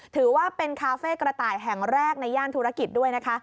ถือว่าเป็นคาเฟ่กระต่ายแห่งแรกในย่านธุรกิจด้วยนะคะ